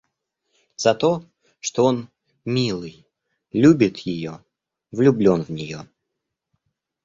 За то, что он, милый, любит ее, влюблен в нее.